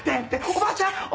おばあちゃん」